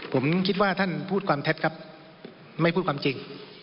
ผมคิดว่าท่านพูดความเท็จครับไม่พูดความจริง